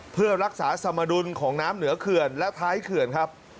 เพื่อรักษาสมดุลของน้ำเหนือเขื่อนและท้ายเขื่อนครับ